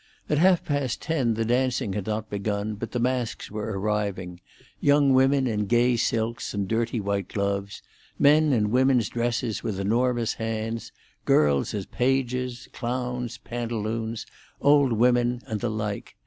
At half past ten the dancing had not begun, but the masks were arriving; young women in gay silks and dirty white gloves; men in women's dresses, with enormous hands; girls as pages; clowns, pantaloons, old women, and the like.